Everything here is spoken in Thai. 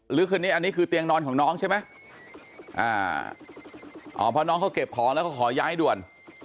คันนี้อันนี้คือเตียงนอนของน้องใช่ไหมอ่าอ๋อเพราะน้องเขาเก็บของแล้วก็ขอย้ายด่วน